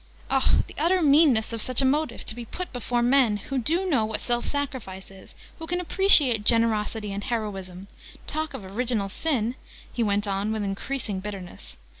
Oh the utter meanness of such a motive, to be put before men who do know what self sacrifice is, who can appreciate generosity and heroism! Talk of Original Sin!" he went on with increasing bitterness.